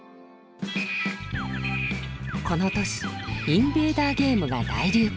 この年インベーダーゲームが大流行。